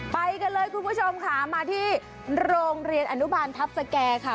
ไปกันเลยคุณผู้ชมค่ะมาที่โรงเรียนอนุบาลทัพสแก่ค่ะ